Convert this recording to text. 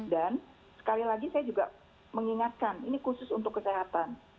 dan sekali lagi saya juga mengingatkan ini khusus untuk kesehatan